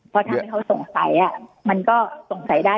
เพราะทำให้เขาสงสัยมันก็สงสัยได้